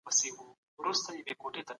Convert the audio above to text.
اسلام د بشریت لپاره د لارښوونې رڼا ده.